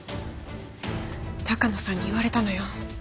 鷹野さんに言われたのよ。